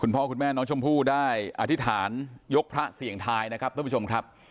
พ่อคุณแม่น้องชมพู่ได้อธิษฐานยกพระเสี่ยงทายนะครับท่านผู้ชมครับ